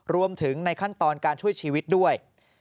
รวมถึงในขั้นตอนการช่วยชีวิตด้วย